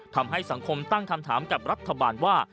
ทำให้สังคมตั้งคำถามกับรัฐบาลว่า